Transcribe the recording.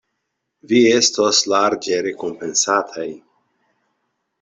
Vi estos larĝe rekompensataj.